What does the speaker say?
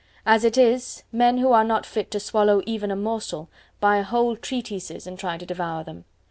As it is, men who are not fit to swallow even a morsel, buy whole treatises and try to devour them.